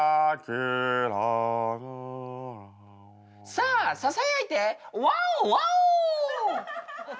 さささやいてワオワオ！